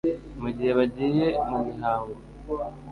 mu gihe bagiye mu mihango,